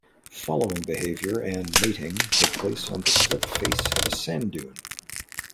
Following behavior and mating take place on the slip face of a sand dune.